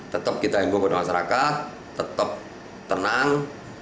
tetap kita imbu ke dalam masyarakat tetap tenang